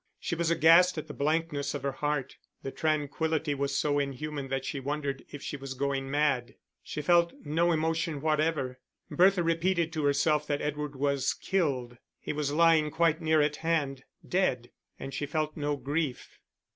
She was aghast at the blankness of her heart, the tranquility was so inhuman that she wondered if she was going mad; she felt no emotion whatever. Bertha repeated to herself that Edward was killed; he was lying quite near at hand, dead and she felt no grief.